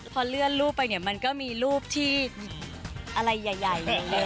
พอเลื่อนรูปไปมันก็มีรูปที่อะไรใหญ่อยู่เลย